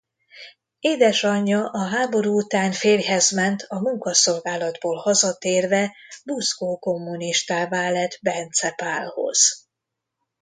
Édesanyja a háború után férjhez ment a munkaszolgálatból hazatérve buzgó kommunistává lett Bence Pálhoz.